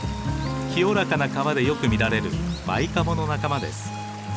清らかな川でよく見られるバイカモの仲間です。